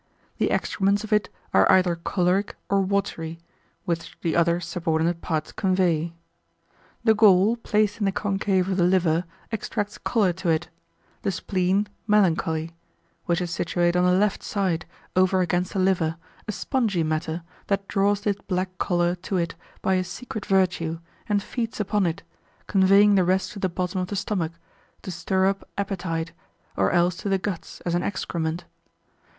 The excrements of it are either choleric or watery, which the other subordinate parts convey. The gall placed in the concave of the liver, extracts choler to it: the spleen, melancholy; which is situate on the left side, over against the liver, a spongy matter, that draws this black choler to it by a secret virtue, and feeds upon it, conveying the rest to the bottom of the stomach, to stir up appetite, or else to the guts as an excrement.